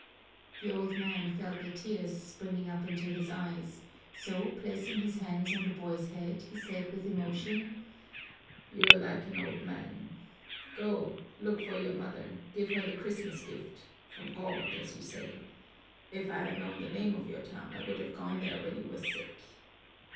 The old man felt the tears springing up into his eyes, so, placing his hands on the boy's head, he said with emotion: "You're like an old man! Go, look for your mother, give her the Christmas gift from God, as you say. If I had known the name of your town I would have gone there when you were sick.